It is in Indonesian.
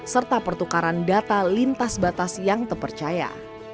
serta pertukaran data lintas batas yang terpercaya